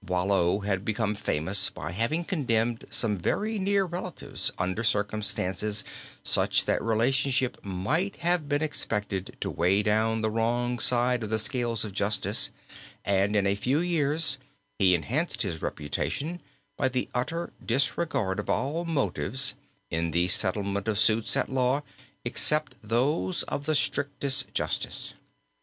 Boileau had become famous by having condemned some very near relatives, under circumstances such that relationship might have been expected to weigh down the wrong side of the scales of justice, and in a few years he enhanced his reputation by the utter disregard of all motives in the settlement of suits at law, except those of the strictest justice.